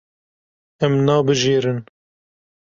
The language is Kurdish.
Em nabijêrin.